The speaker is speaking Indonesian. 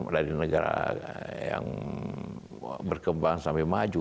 dari negara yang berkembang sampai maju